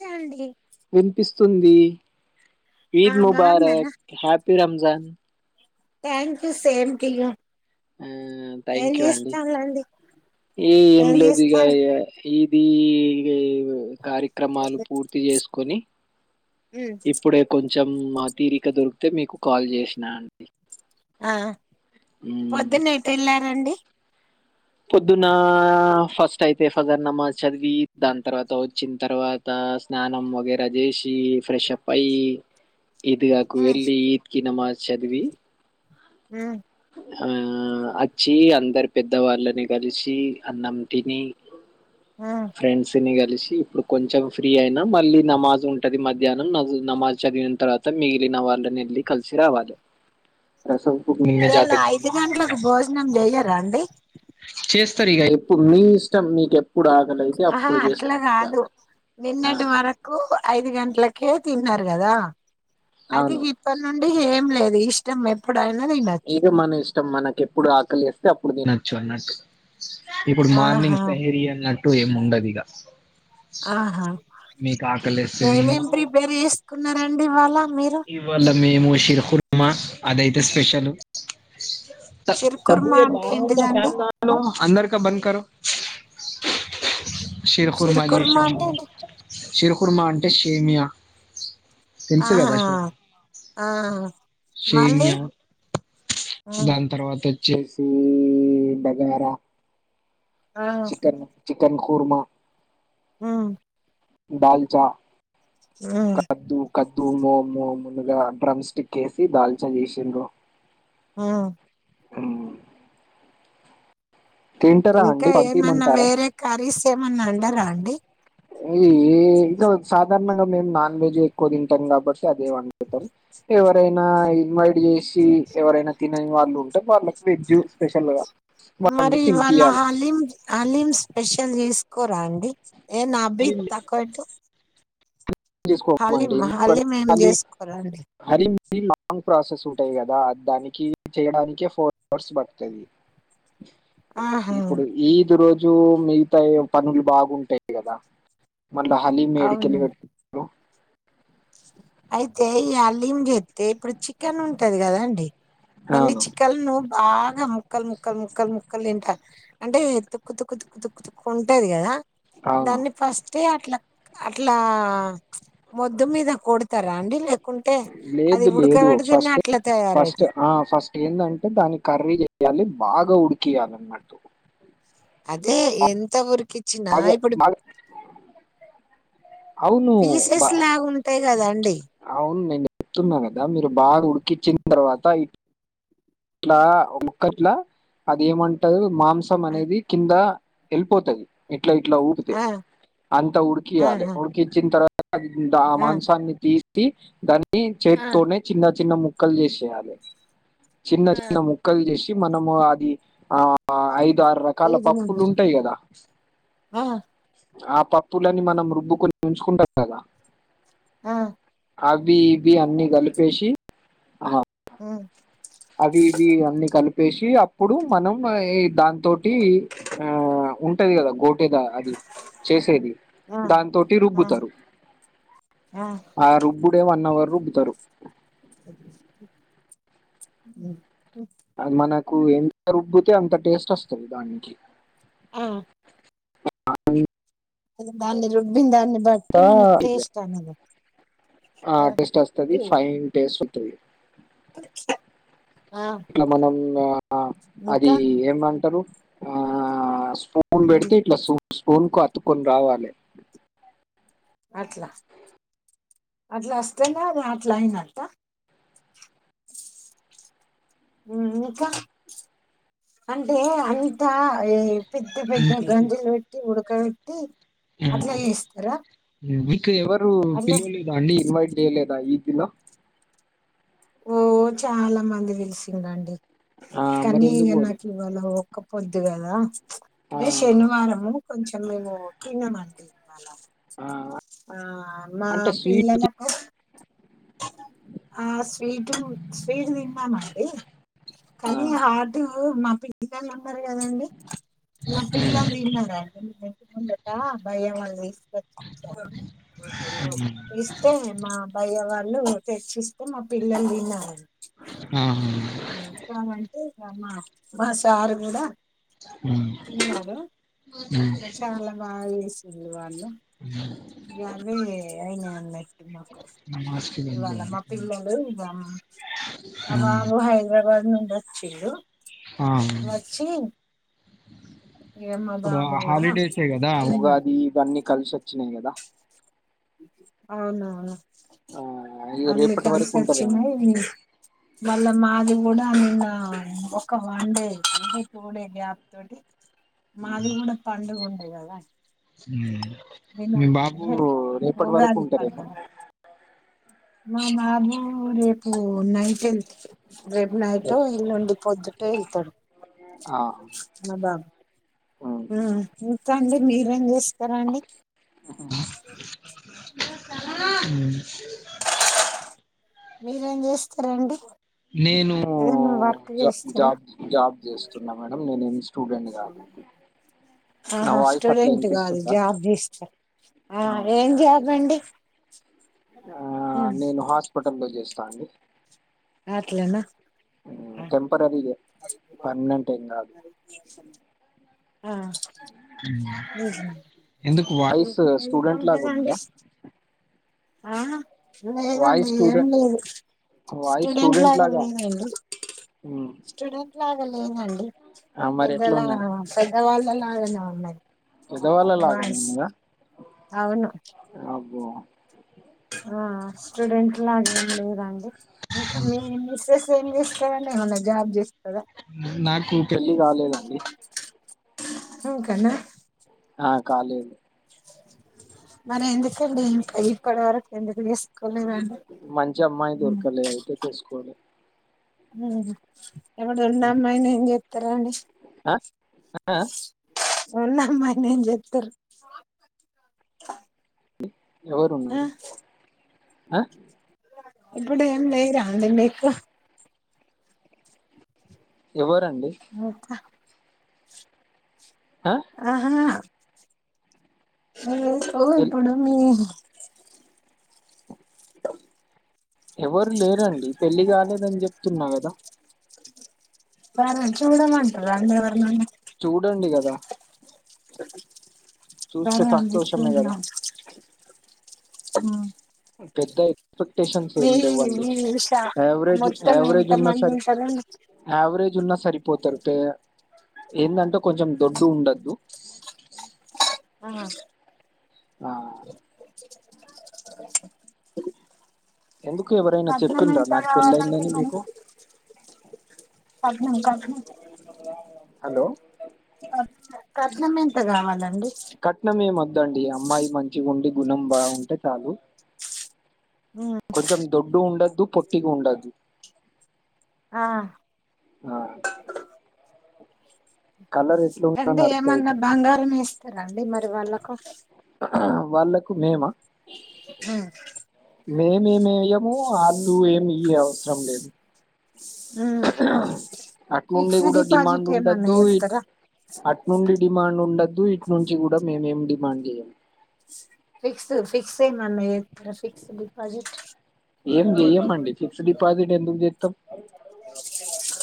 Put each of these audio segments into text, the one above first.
నమస్తే అండి వినిపిస్తుంది ఆ ఈద్ బాగున్నారా ముబారక్ happy Ramzan thank you same to you ఆ ఏం థ్యాంక్ యూ అండి. చేస్తాళ్ళండి ఏ ఏం లేదు ఇగ ఈది కార్యక్రమాలు పూర్తి చేసుకొని ఇప్పుడే కొంచెం తీరిక దొరికితే మీకు కాల్ చేసినా అండి ఆ హ్మ్ పొద్దున్నే ఎటేళ్ళారండి పొద్దున్నా ఫస్ట్ అయితే ఫగర్ నమాజ్ చదివి దాని తర్వాత వచ్చిన తర్వాత అ స్నానం వగేరా చేసి ఫ్రెష్ అప్ అయి ఇదిగాకు వెళ్ళి ఈద్ కి నమాజ్ చదివి మ్ ఆ అచ్చి అందరు పెద్దవాళ్ళని కలిసి అన్నం తిని ఫ్రెండ్స్ ని కలిస్ చి ఇప్పుడు కొంచెం ఫ్రీ అయినాం మళ్ళీ నమాజ్ ఉంటది మధ్యాహ్నం నవు నమాజ్ చదివిన తర్వాత మిగిలిన వాళ్ళని ఎళ్లి కలిసి రావాలే రసంప్ ఇయ్యల ఐదు గంట్లకు భోజనం చేయరా అండి చేస్తారు ఇగ ఎప్పుడు మీ ఇష్టం మీక ఎప్ ఆహా అట్లా కాదు ఆ నిన్నటి వరకు ఐదు గంట్లక్ ట్లకే తిన్నారు కదా అది అవును ఇప్పటి నుండి ఏం లేదు ఇష్టం ఎప్పుడు ఇదు మన ఇష్టం మనకి ఎప్పుడు ఆకలి వేస్తే అప్పుడు తినొచ్చు అన్నట్టు ఇప్పుడు ఆహా మార్నింగ్ సహేరీ అన్నట్టు ఏం ఉండదు ఇగ ఆహా ఆకలిస్తే తిను ఏమేమ్ ప్రిపేర్ చేసుకున్నారండివాళ ఇవాళ మేము షిర్కుర్మా అదయితే స్పెషల్ స్ తబ్బు సిరుకుర్మా ఎ అంటే బాహర్ క ఏంటిదండి ఫ్యాన్ దాలో అందర క బంద్ కరో షిరుకుర్మా సిరుకుర్మా జేశాము అంటే ఏంటి షిరుకుర్మ అంటే షేమియా తెలుసు కదా ఆ ఆ మళ్ళీ షేమ్యా హ్మ్ దాని తర్వాత చేసీ ఈ బగారా ఆ చికన్ చి కన్ కుర్మా మ్ దాల్చా హ్మ్ కద్దు కద్దు మో మో మునగ డ్రమ్ స్టిక్ వేసి దాల్చాన్ చేసిండ్రు ఆ ఆ ఇంకా అండి ఏమన్నా పంపిమంటారా వేరే కర్రీస్ ఏమన్నా అండరా అండి [unintelligible] సాధారణంగా మేము నాన్ వెజ్ ఎక్కువ తింటాం కాబట్టి అదే వండుతాం ఎవరైనా ఇన్వైట్ చేసి ఎవరైనా తినని వాళ్ళు ఉంటే వాళ్ళకి వెజ్జ్ స్పెషల్ గా వండి మరి ఇవాళ తినిపియాలి హలీం హాలిమ్స్ స్పెషల్ చేసుకోరా అండి ఏ నాభిత్ తక్వ వేట్టు తీసుకోమ్ అండి ఎందుక్ అంటే ఏం హాలీమ్ చేసుకోరా అండి హరిమ్ కి లాంగ్ ప్రాసెస్ ఉంటాయి గదా ఆ దానికి చేయడానికే ఫోర్ హవర్స్ పడుతుంది ఆహా ఇప్పుడు ఈద్ రోజు జో మిగ్తా ఎం పనులు బాగుంటాయి గదా మళ్ళా హాలీమ్ ఎడికెళ్లి అవును పెట్ అయితే ఈ అల్లీం జెత్తే ఇప్పుడు చికెన్ ఉంటది గదా అండి దన్ని అవును చికల్ ను బాగా ముక్కల్ ముక్కల్ ముక్కల్ ముక్కల్ లింట అంటే తుక్కు తుక్కు తుక్కు తుక్కు తుక్కు ఉంటది గదా అవును దాన్ని ఫస్ట్ ఎ అట్లా అట్లా మొద్దు మీద కొడతారా అండి లేక్ లేదు లేదు ఒ ఫస్ట్ అట్లా ఫస్ట్ తయారవుతది ఆ ఫస్ట్ ఏందంటే దాన్ని కర్రీ చెయాలి బాగా ఉడికియాల అన్నట్టు అదే ఎంత ఊరికిచ్చిన బాగా ఇపుడు బాగా అవును బా పీసెస్ లాగా ఉంటాయి గదా అండి అవును నేను చెప్తున్నా గదా మీరు బాగా ఉడికిచ్చిన తర్వాత ఇ ట్లా ఒముక్కట్లా అది ఏమంటరు మాంసం ఆ అనేది కింద ఎల్పోతది ఇట్లా ఇట్లా ఊపితే అంతా ఆ ఆ ఉడికియాలి ఉడికిచ్చిన్ తర్వా ద ఆ మాంసాన్ని తీసి దాన్ని ఆ చేత్తోనే చిన్న చిన్న ముక్కలు చేశేయాలె చిన్న చిన్న ముక్కలు చేష్ ఇ మానము అది అ ఐదు ఆరు రకాల పప్పులు ఉంటై కదా అ ఆ పప్పులని మనం రుబ్బుకొని ఉంచుకుంటాం గదా ఆ అవ్వి ఇవ్వి అన్ని కలిపేషి ఉమ్ అవి ఇవి అన్ని కలుప్ పెషి అప్పుడు మనం ఇ దాంతోటి ఆ ఉంటది గదా గో టేదా అది చేసేది ఆ దాంతోటి రుబ్బుతారు ఆ ఆ రుబ్బుడే వన్ అవర్ రుబ్బుతరు అద్ మనకు ఎంత రుబ్బితే అంత టేస్ట్ వొస్తది దానికి ఆ [unintelligible] దాన్ని రుబ్బిన్ దాన్ని బట్టి మనకు టేస్ట్ అనేదే ఆ టెస్ట్ వొస్తది ఫైన్ టెస్ట్ వొత్తది ఆ ఇట్లా మనం ఆ అది ఇంకా ఇ ఏమంటరు ఆ స్పూన్ ఉమ్, బెడితే ఇట్లా సూన్ స్పూన్ కు అత్తుకొని రావాలె అట్లా అట్లా అస్తనే అద్ అట్లా అఇనట్టా ఉమ్ ఇంకా అంటే అంత అ ఏ పెద్ద పెద్ద గంజులు పెట్టి ఉడక పెట్టి అట్లా చేస్తారా కి ఎవరు అట్లా పిలవలేదా అండి ఇన్వైట్ చేయలేదా ఈదిలో ఓ చాలా మంది పిల్సిండ్రు అండి ఆ, మరి కానీ ఎందుకు ఇగ పోలే? నాకు ఇవాళవో ఒక్క పొద్దు గదా ఆ, శనివారము కొంచెం మేము తినము అండీ ఆ మా అంటే స్వీట్ పిల్లలకు ఆ స్వీటులు స్వీట్ తిన్నామా అండీ ఆ, కానీ హార్డు మా పిల్ పిల్లల్ ఉన్నార్ కదండీ ఇంగ పిల్లల్ దీన్నారండి ఇంటిముందట భయ వాల్ తీసుకొచ్చి ఇచ్చా ఇష్టమే మా బయ్యా వాల్ ళ్ళు తెచ్చిస్తే మా పిల్లల్ దిన్నార ఆహ ఉ కామంటే ఇగ మా మ సారు గుడ తిన్నారు ఆ, చాల బాగ చేసిండ్లు వాళ్ళు ఇగ అవ్వే అయినయ్ అన్నట్టు మాకు నమాజ్కి బంద్ ఇవాళ మా పిల్లలు ఇగ ఉమ్మ్ హైదరాబాద్ నుండి ఒచ్చిళ్లు ఆ, వచ్చి ఇక మా ఇప్పుడు బాబు అ కూడా హాలిడేసె గదా తిన్నాడు ఉగాది ఇవన్నీ కల్సొచ్చినయ్ గదా ఔనఔను ఆ, ఇది అన్ని రేపటి వరకు ఉంటారేమో కల్సాచ్చినయ్ మళ్ళ మాది గుడ నిన్న ఒక వన్ డే ఉండి పోడే గ్యాప్ తోటి మాది గుడ పండుగుండె గదా మి బాబూ రేపటి వరకు ఉంటరేమొ మ బాబు ఉ రేపు నైట్ ఎళ్తడు రేపు నైటో ఎల్లుండి పొద్దుటో ఎళ్తడు అ ఉమ్మ్ ఇంక్కండి మీరేం చేస్తరండి ఉమ్ మీరేం చేస్తరండి నేనూ జబ్ చేస్తారా జాబ్ జాబ్ చేస్తున్న మేడం నేను ఇన్స్ స్టుడెంట్ని కాదు నా ఆహా వాయిస్ అట్లా స్టుడెంట్ కాదు వినిపిస్తుందా జాబ్ చేస్త ఆ అవును ఏం జాబ్ అండి ఆ నేను హాస్పెటల్లో చేస్తా అండి అట్లన ఊ టెంపరరిగే పర్మనెంటే ఎం గాదు ఆ ఊ ఎంత ఎందుకు వాయిస్ స్టూడెంట్లాగా ఉన్నదా ఉంటదండి ఆ లేదండి వాయిస్ ఏం స్టూడెంట్ లేదు వాయిస్ స్టుడెంట్ స్టూడెంట్ లాగ లాగా లేదండి ఉమ్. స్టుడెన్ ట్లాగ లేదండి ఆ, మరి ఎట్లా పెద్దలా ఉన్నది పెద్దవాళ్ళలాగనే ఉన్నది పెద్దవాళ్ళ లాగానే వాయిస్ ఉన్నదా ఔను అబ్బో ఆ స్టుడెంట్ లాగేం లేదండి ఇంక మీ మిస్సెస్ ఏం చేస్తదండి ఏమన్న జాబ్ చేస్ నాకు పెళ్ళి కాలేదండి ఇంకానా ఆ కాలేదు మరెందుకండి ఇంక ఇప్పడ్ వరకు ఎందుకు చేస్కొ మంచి అమ్మాయి దొర్కలె అయితే చేస్కోలె ఉమ్ ఎవ [unintelligible] ఉన్న అమ్మాయిని ఏం చేత్తరండి అ ఆ ఉన్న అమ్మాయిని ఏం చెత్తరు ఎవరున్నరు అ ఇప్పుడు ఏం లేరా అండి మీకు ఎవర్ ముత్త ఆ? ఆహా ఎలేస్కో ఎల్- ఇప్పుడు మీ [inaudible] ఎవరు లేరండి పెళ్లి కాలేదని చెప్తున్న గద మరే చూడమంటరా అండి ఎవరినన్న చూడండి గద సంతోషమే కదా [inaudible] పెద్దయ్ ఎక్స్పెక్టషన్స్ మీ ఏం లేవండి మీ షా యావరేజ్ మొత్తం ఎంత యావరేజ్ ఉన్న మంది సరే ఉంటారండి యావరేజ్ ఉన్న స సరిపోతరు టె ఏందంటే కొంచెం దొడ్డు ఉండొద్దు ఆ ఆ ఎందుకు ఎవరైనా కట్నం చెప్పిండ్రా ఎంత నాకు కావలండి పెళ్ళైందని మరి మీకు కట్నం కట్నం హలో కట్ కట్నం ఏంత గావలన్ కట్నం ఏం ఒద్దండి అమ్మాయి మంచిగుండి గుణం బా ఉంటే చాలు కొంచం దొడ్డు ఉండొద్దు పొట్టిగ ఉండొద్దు ఆ ఆ అంటే నడుతుంది ఏమన్న కొంచెం బంగారం ఇస్తరాండి మరి వాళ్ళకు వాళ్ళకు మేమ హు మేమేమి ఎయము ఆళ్ళు ఏమి ఇయ అవసరం లేదు ఊ ఊ అట్నుండి ఫిక్స్డ్ కూడా డిపాజిట్ డిమాండ్ ఏమన్నా ఉండొద్దు చేస్తారా అటు నుండి డిమాండ్ ఉండ దు ఇట్ నుంచి కూడ మేమేం డిమాండ్ చేయ్యం ఫిక్స్ ఫిక్స్ చేయమని ఏం చెయ్యమండి ఫిక్స్ డిపాజిట్ ఎందుకు చేతం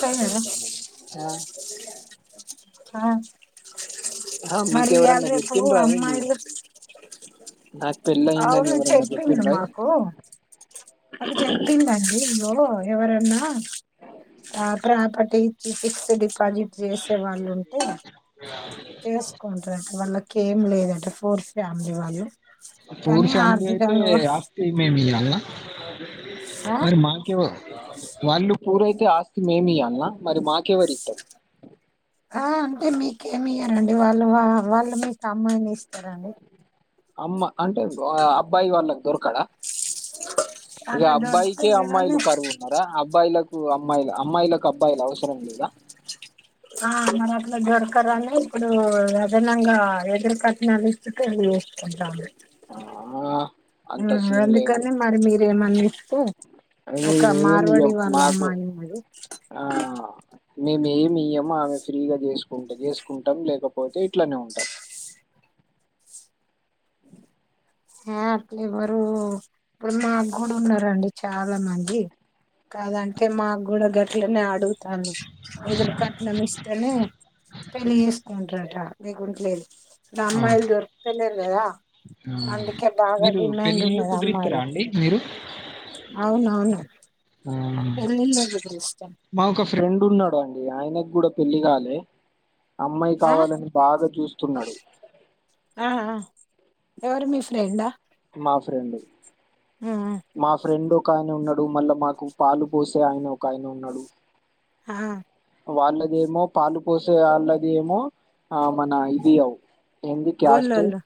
ఫైనలా ఆ ఆ మరి ఇయాల మీకెవరన్నా రేపు చెప్పిండ్రా ఏంది అమ్మాయిలు నాకు పెళ్ళి అయిందని అవును ఎవరన్నా చెప్పిండు చెప్పిండ్రా మాకు ఒకే చెప్పిందండి లో ఎవరన్నా ఆ ప్రాపర్టీ ఇచ్చి ఫిక్స్డ్ డిపాజిట్ చేసే వాళ్ళు ఉంటే చేసుకుంట్రట వాళ్ళక్ కేం లేదట ఫూర్ ఫ్యామిలీ వాళ్ళు పూర్ కానీ ఫ్యామిలీ అయితే ఆర్థికంగా ఆస్తి మేమియ ఆ మరి మాక్ వాళ్ళు పురైతే ఆస్తి మేమియలనా మరి మాక్ ఎవర్ ఇత్తరు ఆ అంటే మీకేమి ఇయ్యరండి వాళ్ళు వా వాళ్ళు మీకు అమ్మాయిని ఇస్తరండి అమ్మ అంటే వా అబ్బాయి వాళ్ళక్ దొరకడ ఇగ అట్లా అబ్బాయికే దొరుకుతలేదని అమ్మాయిలు కరువున్నర అబ్బాయిల అమ్మాయిలు అమ్మాయిలకు అబ్బాయిలు అవసరం లేదా ఆ మరె అట్ల దొరకరనె ఇప్పుడు అదనంగ ఎదురు కట్నాలు ఇస్తుంటే ఆ, అంత ఉం సీన్ అందుకని మరి మీ ఏమన్న ఇస్తె మేమ్ ఏం ఇయ్యం మాకు ఉన్నది ఆ మేమ్ ఏమి ఇయ్యము ఆమె ఫ్రీగ చేసుకుంటె చేసుకుంటం లేకపోతే ఇట్లనే ఉంటం అ క్లేవరు ఇప్పుడు మాకు గూడ ఉన్నారండి చాలా మంది కాదంటే మాకు గుడ గట్లనే ఆడ్ తను ఎదురు కట్నం ఇస్తేనె పెళ్లి చేసుంటరట లేగుంట్లేదు నా అవును అమ్మాయిలు దొరుకుతలేరు కదా ఆ అందుకే బాగా మీరు డిమాండ్ పెళ్ళిళ్ళు ఉన్నది కుదిరిస్తారా అమ్మాయిలకు అండి మీరు అవునవును ఎల్లిం [inaudible] మాకు ఓక ఫ్రెండ్ ఉన్నడు అండి ఆయనకి కూడ పెళ్ళి కాలే అమ్మాయి ఆ కావాలని బాగా చూస్తున్నడు ఆ ఆ ఎవరు మీ ఫ్రెండా మాఫ్రెండు మా ఫ్రెండ్ ఒక ఆయన ఉన్నడు మళ్ళ మాకు పాలు పోసే ఆయన ఒక ఆయన ఉన్నాడు ఆహ్ వాళ్ళదేమో పాలు పోసే అళ్ళదేమో ఆ మన ఇది అవు ఏంది క్యాస్ట్ గొల్లోళ్ళు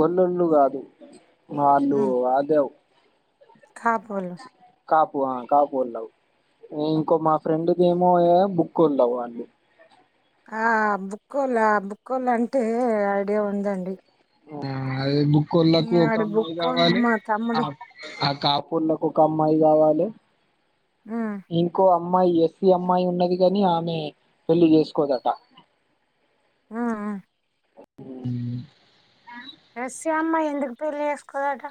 గొల్లోల్ళు కాదు వాళ్ళు అదవ్ కాపొల్లు కాపు ఆ కాపొల్లు ఔ ఇంకో మా ఫ్రెండ్కి ఏమో ఏం బుక్ ఉండవు అండి ఆ బుక్కోలా బుక్కొలంటే ఐడియా ఉందండి ఆ అది బుక్కోళ్లకు ఒక ఆడు అమ్మాయి బుక్కోళ్ళు కావాలె మా తమ్ముడు కాపొల్లకు ఒక అమ్మాయి గవాలె హ్మ్ ఇంకో అమ్మాయి ఎస్సీ అమ్మాయి ఉన్నది గని ఆమె పెళ్లిి చేసుకోదట అ అ ఉమ్ ఎస్సి అమ్మాయి ఎందుకు పెళ్లి చేసుకోదట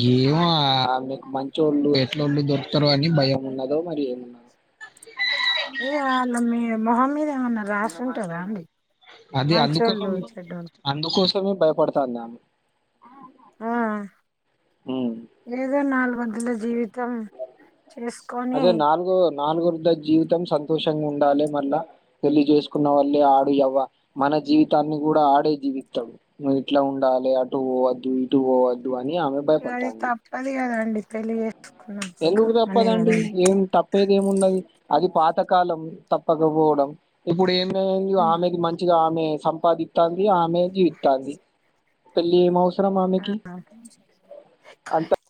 గేమొ ఆమెకు మంచోళ్ళు ఎట్లోళ్ళు దొరుకుతరో అని భయం ఉన్నదో మరి ఏమున్న బ్లాంక్ ఇగ వాళ్ళ మీ మొహం మీద ఏమన్న రాశింటుద అండి అది అందుకోసం మంచోళ్ళు చెడ్డోళ్ళు అందుకోసమే భయపడతంది ఆమె ఆ ఉమ్ ఏదో నాలుగు వంతుల జీవితం చేసుకొని నాలుగొద్దుల జీవితం సంతోషంగ ఉండాలి మళ్ళ పెళ్లి చేసుకున్న వల్లే ఆడు ఎవ్వ మన జీవితాన్ని కూడా ఆడే జీవిత్తడు నువ్వు ఇట్లా ఉండాలి అటు పోవద్దు ఇటు పోవద్దు అని ఆమె అది భయపడతాంది తప్పదు కదండి చేేసుకున్నప్పుడు కాని దండి ఏం తప్పేది ఏమున్నది అది పాతకాలం తప్పకపోవడం ఇప్పుడు ఏం ఆమె ఆమెది మంచిగా ఆమె సంపాదిత్తంది ఆమెది జీవిత్తంది పెళ్లి మో స్ ఆ